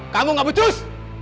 kamu gak betul